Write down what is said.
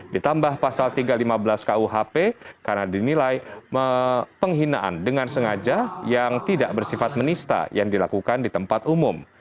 ditambah pasal tiga ratus lima belas kuhp karena dinilai penghinaan dengan sengaja yang tidak bersifat menista yang dilakukan di tempat umum